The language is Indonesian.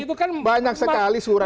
itu kan banyak sekali surat surat